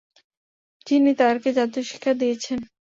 যিনি তাদেরকে জাদুশিক্ষা দিয়েছেন।